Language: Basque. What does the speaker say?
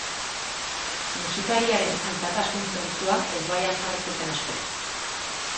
Musikariaren aitatasun-zentzua ezbaian jarri zuten askok.